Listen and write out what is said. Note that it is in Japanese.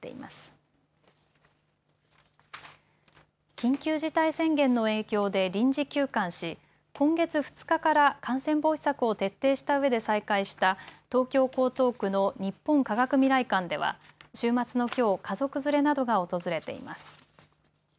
緊急事態宣言の影響で臨時休館し今月２日から感染防止策を徹底したうえで再開した東京江東区の日本科学未来館では週末のきょう、家族連れなどが訪れています。